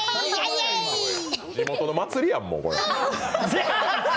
地元の祭りやん、これ。